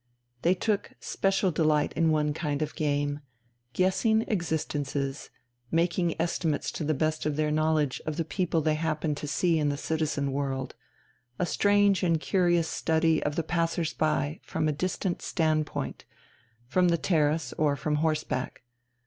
They took special delight in one kind of game guessing existences, making estimates to the best of their knowledge of the people they happened to see in the citizen world a strange and curious study of the passers by from a distant standpoint, from the terrace or from horseback.